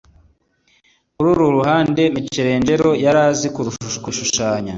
kuri uru ruhanga michelangelo yari azi kubishushanya